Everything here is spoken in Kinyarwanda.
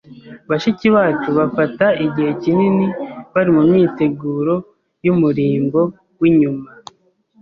bashiki bacu bafata igihe kinini bari mu myiteguro y’umurimbo w’inyuma,